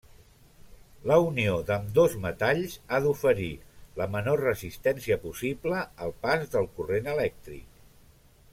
La unió d'ambdós metalls ha d'oferir la menor resistència possible al pas del corrent elèctric.